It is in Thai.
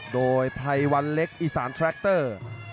โดยไพรวันเล็กอีสานแทรคเตอร์